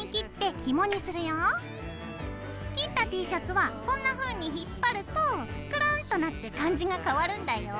切ったＴシャツはこんなふうに引っ張るとくるんっとなって感じが変わるんだよ。